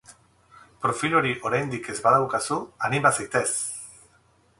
Profil hori oraindik ez badaukazu, anima zaitez!